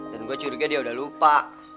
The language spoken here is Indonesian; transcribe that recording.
dan gue curiga dia udah lupa